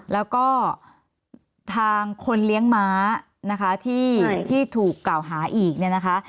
แล้วก็ทางคนเลี้ยงม้านะคะที่ถูกกล่าวหาอีกเนี่ยนะคะ